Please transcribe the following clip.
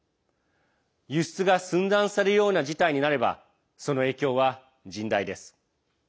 輸出が寸断されるような事態になればその影響は甚大です。